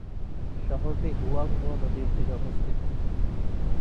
শহরটি হুয়াংহো নদীর তীরে অবস্থিত।